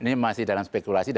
dan ini masih dalam spekulasi